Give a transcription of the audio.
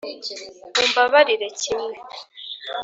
umbabarire kimwe.